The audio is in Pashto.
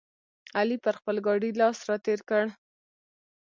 علي پر خپل ګاډي لاس راتېر کړ.